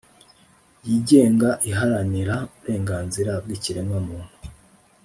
yigenga iharanira uburenganzira bw'ikiremwa muntu